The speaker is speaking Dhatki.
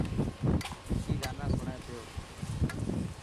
وڪي گانا سوڻي پيو.